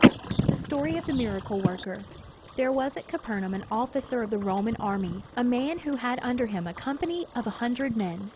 THE STORY OF THE MIRACLE WORKER There was at Capernaum an officer of the Roman army, a man who had under him a company of a hundred men.